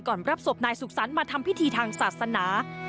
รับศพนายสุขสรรค์มาทำพิธีทางศาสนา